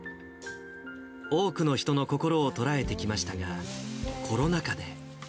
多くの人の心を捉えてきましたが、コロナ禍で。